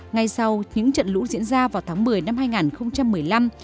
ngay sau những trận lũ diễn ra vào tháng một mươi năm hai nghìn một mươi năm